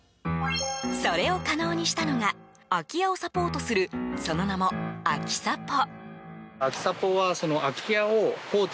それを可能にしたのが空き家をサポートするその名も、アキサポ。